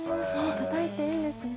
たたいていいんですね。